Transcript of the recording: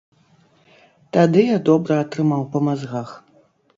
Тады я добра атрымаў па мазгах.